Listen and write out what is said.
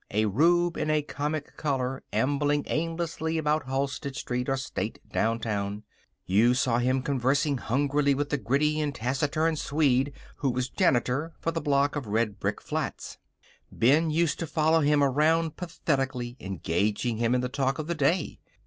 A rube in a comic collar ambling aimlessly about Halsted Street or State downtown. You saw him conversing hungrily with the gritty and taciturn Swede who was janitor for the block of red brick flats. Ben used to follow him around pathetically, engaging him in the talk of the day.